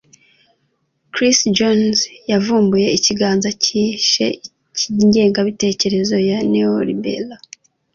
Chris Jones yavumbuye ikiganza cyihishe cy'ingengabitekerezo ya neo-liberal.